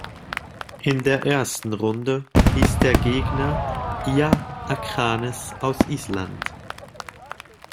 In der ersten Runde hieß der Gegner ÍA Akranes aus Island.